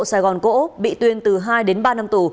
sài gòn cổ úc bị tuyên từ hai đến ba năm tù